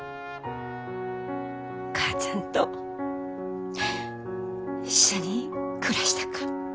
母ちゃんと一緒に暮らしたか。